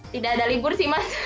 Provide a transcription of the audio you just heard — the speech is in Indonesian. tidak ada libur sih mas